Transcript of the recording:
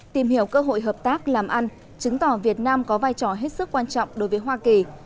tìm hiểu cơ hội hợp tác làm ăn chứng tỏ việt nam có vai trò hết sức quan trọng đối với hoa kỳ